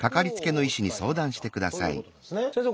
先生。